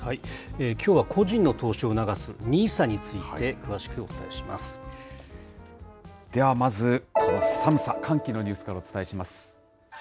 きょうは個人の投資を促すＮＩＳＡにつでは、まずこの寒さ、寒気のニュースからお伝えします。